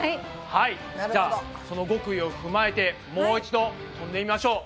はいじゃあその極意を踏まえてもう一度とんでみましょう！